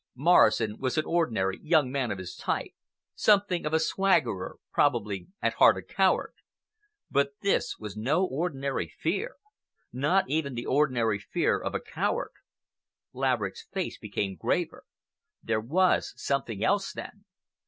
Morrison was an ordinary young man of his type, something of a swaggerer, probably at heart a coward. But this was no ordinary fear—not even the ordinary fear of a coward. Laverick's face became graver. There was something else, then!